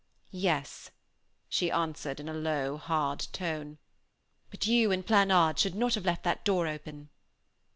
"Yes," she answered, in a low, hard tone. "But you and Planard should not have left that door open."